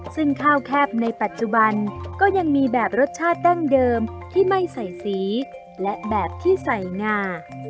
ซึ่งข้าวแคบในปัจจุบันก็ยังมีแบบรสชาติดั้งเดิมที่ไม่ใส่สีและแบบที่ใส่งา